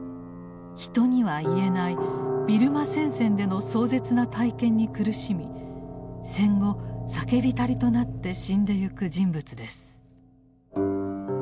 人には言えないビルマ戦線での壮絶な体験に苦しみ戦後酒浸りとなって死んでゆく人物です。